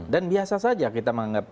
dan biasa saja kita menganggap